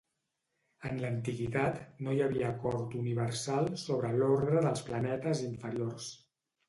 En la antiguitat, no hi havia acord universal sobre l'ordre dels planetes inferiors.